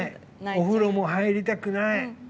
お風呂も入りたくない。